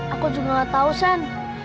aku juga gak tau shan